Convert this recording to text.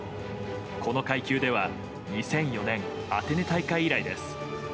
この階級では２００４年アテネ大会以来です。